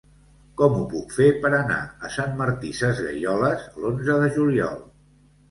Com ho puc fer per anar a Sant Martí Sesgueioles l'onze de juliol?